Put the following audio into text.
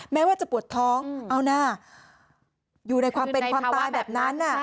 แม้ว่าจะปวดท้องเอานะอยู่ในความเป็นความตายแบบนั้น